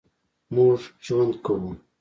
مونږ ژوند کوو